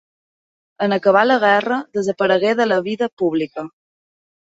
En acabar la guerra desaparegué de la vida pública.